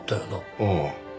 ああ。